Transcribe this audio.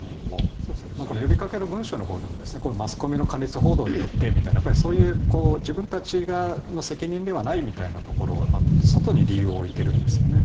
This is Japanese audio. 呼びかける文書のほうでもマスコミの過熱報道によってみたいなそういう自分たちの責任ではないというところ外に理由を置いているんですよね。